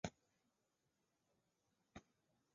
格尔贝尔斯豪森是德国图林根州的一个市镇。